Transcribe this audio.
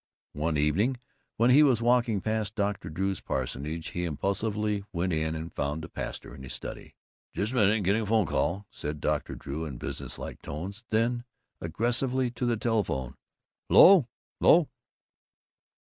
One evening when he was walking past Dr. Drew's parsonage he impulsively went in and found the pastor in his study. "Jus' minute getting 'phone call," said Dr. Drew in business like tones, then, aggressively, to the telephone: "'Lo 'lo!